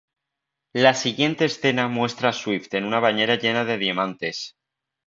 La siguiente escena muestra a Swift en una bañera llena de diamantes.